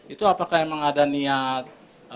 itu apakah emang ada niat